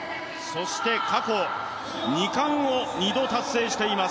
過去２冠を２回達成しています